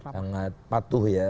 sangat patuh ya